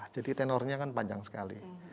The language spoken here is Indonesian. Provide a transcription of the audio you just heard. jadi tenornya kan panjang sekali